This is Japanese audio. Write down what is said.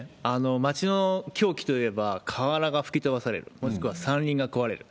町の凶器といえば、瓦が吹き飛ばされる、もしくは山林が壊れる。